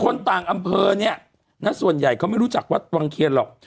คนต่างอำเภอเนี่ยนะส่วนใหญ่เขาไม่รู้จักวัดวังเคียนหรอก